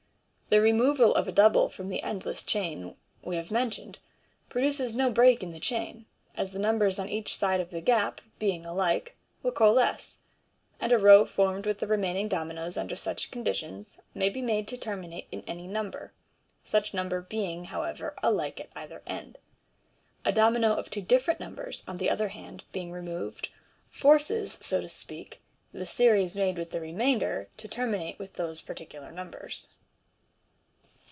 The removal of a double from the endless chain we have mentioned produces no break in the chain, as the numbers on each side of the gap, being alike, will coalesce j and a row formed with the remaining dominoes under such conditions may be made to terminate in snv number, such number being, however, alike at either end. A domino of two different numbers, on the other hand, being removed, " forces," so to speak, the series made with the remainder to terminate with those particular numbers.